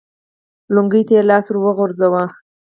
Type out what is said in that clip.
لونګۍ ته يې لاس ور وغځاوه.